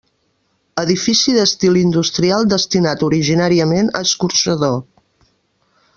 Edifici d'estil industrial destinat originàriament a escorxador.